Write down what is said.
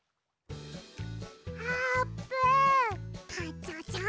あーぷん。